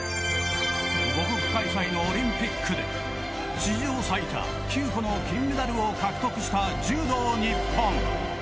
母国開催のオリンピックで史上最多９個の金メダルを獲得した柔道日本。